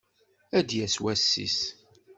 Ad d-yas wass-is.